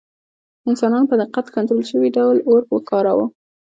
انسانانو په دقت کنټرول شوي ډول اور وکاراوه.